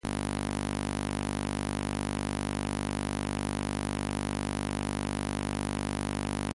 Son conjuntos integrados por cientos, miles o quizás millones de miembros.